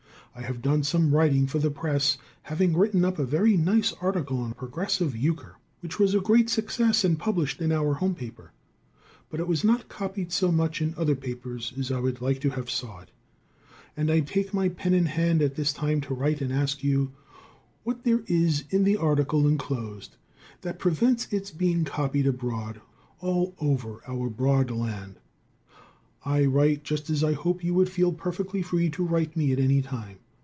I have done some writing for the press, having written up a very nice article on progressive euchre, which was a great success and published in our home paper, But it was not copied so much in other papers as I would like to have saw it, and I take my pen in hand at this time to write and ask you what there is in the article enclosed that prevents its being copied abroad all over our broad land. I write just as I hope you would feel perfectly free to write me at any time.